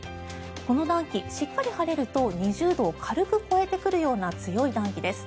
この暖気、しっかり晴れると２０度を軽く超えてくるような強い暖気です。